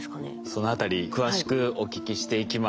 そのあたり詳しくお聞きしていきましょう。